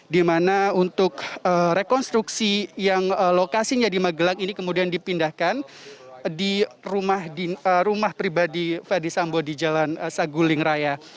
di mana untuk rekonstruksi yang lokasinya di magelang ini kemudian dipindahkan di rumah pribadi ferdi sambo di jalan saguling raya